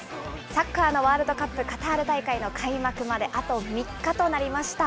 サッカーのワールドカップカタール大会の開幕まであと３日となりました。